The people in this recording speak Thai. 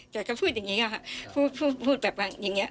แต่เขาพูดอย่างนี้ค่ะพูดแบบว่าอย่างนี้